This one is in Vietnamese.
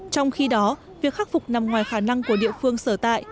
trong khi đó việc khắc phục nằm ngoài khả năng của địa phương sở tại